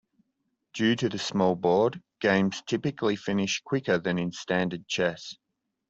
Due to the small board, games typically finish quicker than in standard chess.